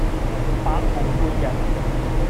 白虹貫日